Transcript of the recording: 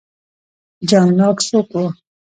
جان لاک څوک و؟